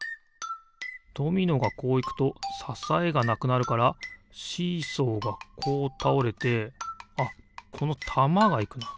ドミノがこういくとささえがなくなるからシーソーがこうたおれてあっこのたまがいくな。